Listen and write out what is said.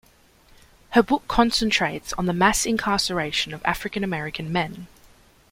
Her book concentrates on the mass incarceration of African-American men.